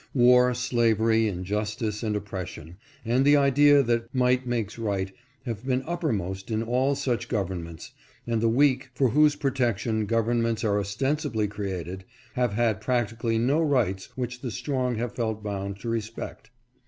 War, slavery, injustice and oppression, and the idea that might makes right have been uppermost in all such gov ernments, and the weak, for whose protection govern ments are ostensibly created, have had practically no rights which the strong have felt bound to respect.